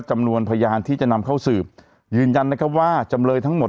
จำนวนพยานที่จะนำเข้าสืบยืนยันนะครับว่าจำเลยทั้งหมด